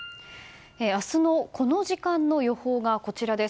明日のこの時間の予報がこちらです。